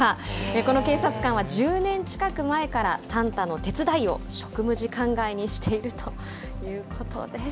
この警察官は１０年近く前から、サンタの手伝いを職務時間外にしているということです。